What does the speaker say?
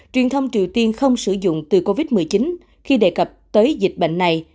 truyền thông triều tiên không sử dụng từ covid một mươi chín khi đề cập tới dịch bệnh này